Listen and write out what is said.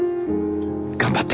頑張って！